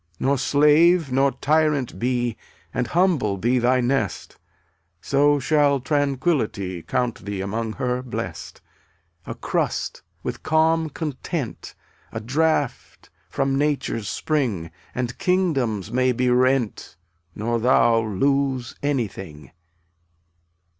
161 Nor slave nor tyrant be And humble be thy nest, So shall Tranquillity Count thee among her blest. A crust, with calm content, A draught from nature's spring, And kingdoms may be rent Nor thou lose anything.